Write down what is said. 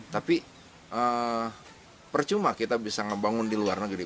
tapi percuma kita bisa ngebangun di luar negeri